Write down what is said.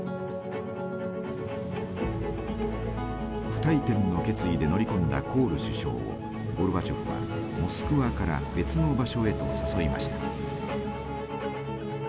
不退転の決意で乗り込んだコール首相をゴルバチョフはモスクワから別の場所へと誘いました。